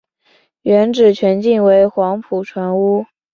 原址全境为黄埔船坞。